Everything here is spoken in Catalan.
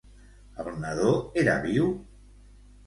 El nadó era viu?